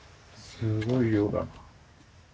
すごい量だな。